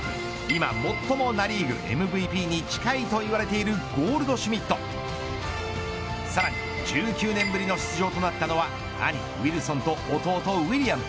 今、最もナ・リーグＭＶＰに近いと言われているゴールドシュミットさらに１９年ぶりの出場となったのは兄ウィルソンと弟ウィリアム